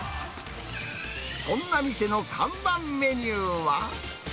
そんな店の看板メニューは。